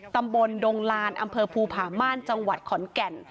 ตำบลดงลานอำเภอภูผาม่านจังหวัดขอนแก่น